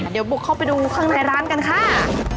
เดี๋ยวบุกเข้าไปดูข้างในร้านกันค่ะ